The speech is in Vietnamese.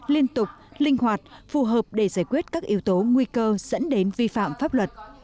liên tục linh hoạt phù hợp để giải quyết các yếu tố nguy cơ dẫn đến vi phạm pháp luật